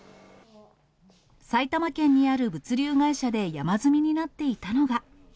埼玉県にある物流会社で山積みになっていたのが。